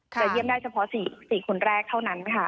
จะเยี่ยมได้เฉพาะสี่คนแรกเท่านั้น